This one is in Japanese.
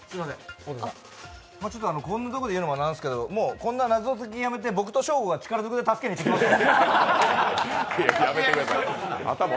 こんなところで言うのも何なんですけどこんな謎解きやめて僕とショーゴが力づくで助けに行ってきますよ。